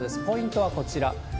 ポイントはこちら。